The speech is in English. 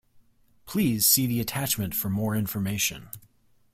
Please see the attachment for more information.